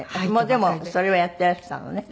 でもそれをやっていらしたのね。